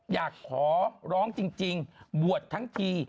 อยากขอร้องจริงบวชทั้งที